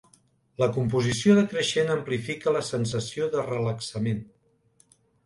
La composició decreixent amplifica la sensació de relaxament.